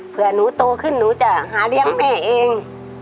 เพื่อหนูโตขึ้นหนูจะหาเลี้ยงแม่เอง